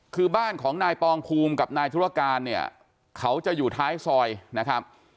คือบ้านของนายปองภูมิกับนายธุรการเนี่ยเขาจะอยู่ท้ายซอยนะครับ